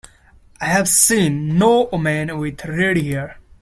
I have seen no woman with red hair.